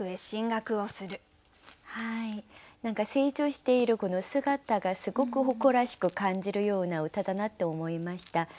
何か成長している子の姿がすごく誇らしく感じるような歌だなと思いました。